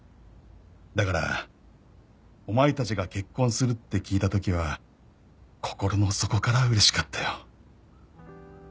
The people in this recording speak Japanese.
「だからお前たちが結婚するって聞いた時は心の底から嬉しかったよ」